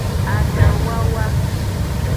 Adanwawa.